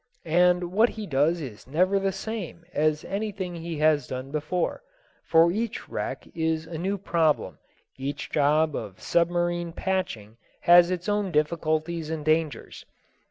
And what he does is never the same as anything he has done before; for each wreck is a new problem, each job of submarine patching has its own difficulties and dangers.